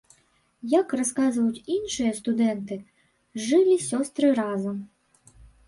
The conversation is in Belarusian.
Як расказваюць іншыя студэнты, жылі сёстры разам.